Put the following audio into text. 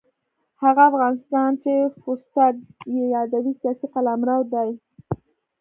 هغه افغانستان چې فورسټر یې یادوي سیاسي قلمرو دی.